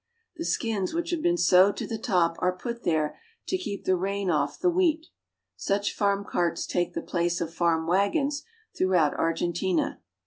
The skins which have been sewed to the top are put there to , keep the rain off the wheat. Such farm carts take the place of farm wagons throughout Argentina.